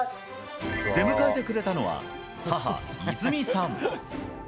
出迎えてくれたのは、母、いずみさん。